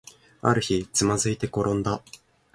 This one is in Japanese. ある日、つまずいてころんだ